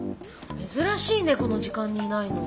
珍しいねこの時間にいないの。